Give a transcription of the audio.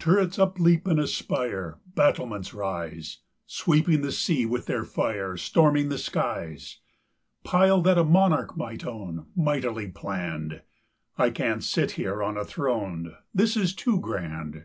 Turrets upleap and aspire, Battlements rise Sweeping the sea with their fire, Storming the skies. Pile that a monarch might own, Mightily plann'd! I can't sit here on a throne, This is too grand.